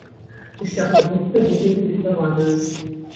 Уся прадукцыя будзе ўтылізаваная.